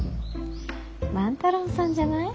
万太郎さんじゃない？